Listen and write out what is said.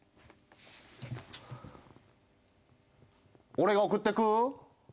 俺が送っていく？